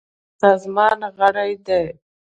برازیل د سازمان غړی دی.